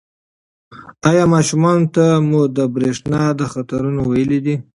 ایا ماشومانو ته مو د برېښنا د خطرونو ویلي دي؟